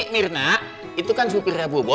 saya harus ngajar dulu